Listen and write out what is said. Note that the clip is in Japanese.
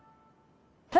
え？